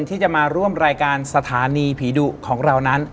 ที่จะมาร่วมรายการสถานีผีดุของเรานั้น